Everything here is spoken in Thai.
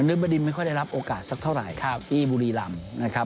นรรุบดินไม่ค่อยได้รับโอกาสสักเท่าไหร่ที่บุรีลำ